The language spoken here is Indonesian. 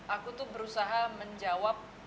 aku tuh berusaha menjawab